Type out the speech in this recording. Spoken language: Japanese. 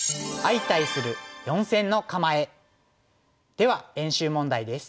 では練習問題です。